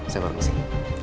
saya terima kasih